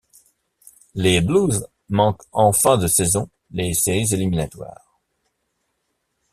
Les Blues manquent en fin de saison les séries éliminatoires.